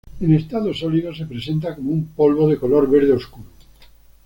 En estado sólido se presenta como un polvo de color verde oscuro.